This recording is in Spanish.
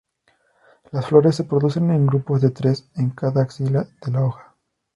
Las flores se producen en grupos de tres en cada axila de la hoja.